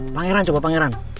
pangeran coba pangeran